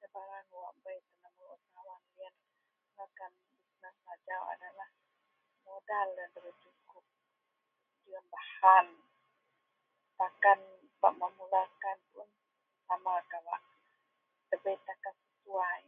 Cabaran wak bei… [unintelligible] takan bisnes ajau adalah mudal yen ndabei sukup. Jegem bahan takan bak memulakan sama kawak, ndabei takan sesuai.